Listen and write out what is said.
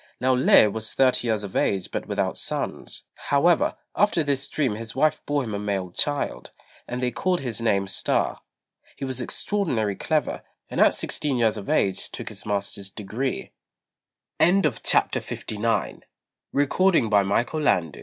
Now Lê was thirty years of age but without sons; however, after this dream his wife bore him a male child, and they called his name Star. He was extraordinarily clever, and at sixteen years of age took his master's degree. FOOTNOTE: This deity is believed to be constantly on t